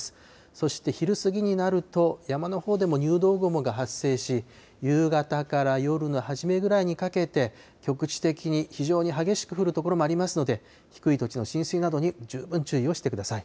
そして昼過ぎになると、山のほうでも入道雲が発生し、夕方から夜の初めぐらいにかけて、局地的に非常に激しく降る所もありますので、低い土地の浸水などに十分注意をしてください。